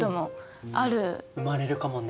生まれるかもね。